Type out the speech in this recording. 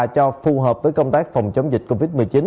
cho phù hợp với công tác phòng chống dịch covid một mươi chín